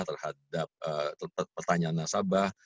terhadap pertanyaan nasabah